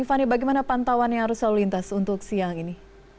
fani bagaimana pantauan yang harus selalu lintas untuk siang ini